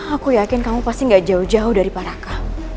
aku yakin kamu pasti gak jauh jauh dari paraca